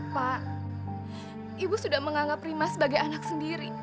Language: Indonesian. pak ibu sudah menganggap rima sebagai anak sendiri